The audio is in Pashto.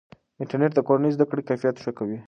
انټرنیټ د کورنۍ د زده کړې کیفیت ښه کوي.